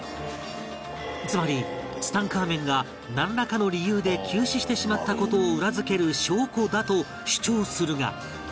つまりツタンカーメンがなんらかの理由で急死してしまった事を裏付ける証拠だと主張するが